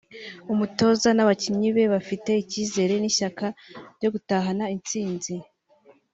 umutoza n’abakinnyi be bafite icyizere n’ishyaka ry gutahana intsinzi